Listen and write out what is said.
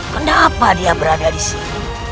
kenapa dia berada disini